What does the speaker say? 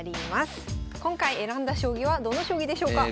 今回選んだ将棋はどの将棋でしょうか？